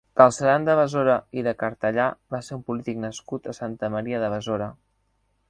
Galceran de Besora i de Cartellà va ser un polític nascut a Santa Maria de Besora.